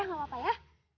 nggak apa apa ya